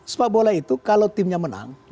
sepak bola itu kalau timnya menang